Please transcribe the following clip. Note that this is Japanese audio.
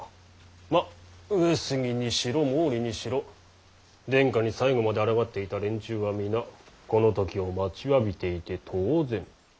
まっ上杉にしろ毛利にしろ殿下に最後まであらがっていた連中は皆この時を待ちわびていて当然。